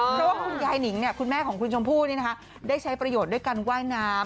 เพราะว่าคุณยายหนิงคุณแม่ของคุณชมพู่ได้ใช้ประโยชน์ด้วยการว่ายน้ำ